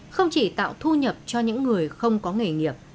không chỉ tạo thu nhập cho những người không có nghề nghiệp